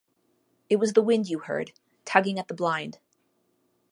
It was the wind you heard, tugging at the blind.